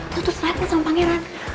tuh tuh selat kan sama pangeran